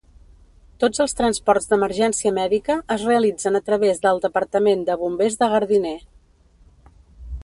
Tots els transports d'emergència mèdica es realitzen a través de el Departament de bombers de Gardiner.